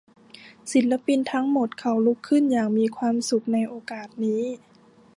ศิลปินทั้งหมดเขาลุกขึ้นอย่างมีความสุขในโอกาสนี้